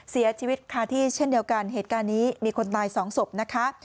เสียชีวิตคาที่เช่นเดียวกันเหตุการณ์นี้มีคนตายสองศพนะคะ